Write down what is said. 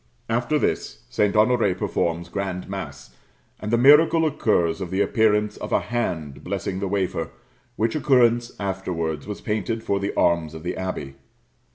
After this, St. Honoré performs grand mass, and the miracle occurs of the appearance of a hand blessing the wafer, which occurrence afterwards was painted for the arms of the abbey.